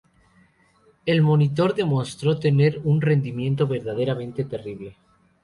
El monitor demostró tener un rendimiento verdaderamente terrible.